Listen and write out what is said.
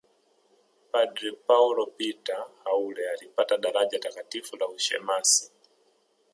Padre Paul Peter Haule alipata daraja Takatifu la ushemasi